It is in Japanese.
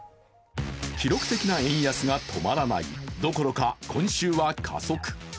記録的な円安が止まらないどころか、今週は加速。